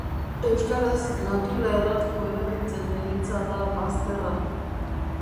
Euskaraz natura errateko erabiltzen den hitza da bazterra.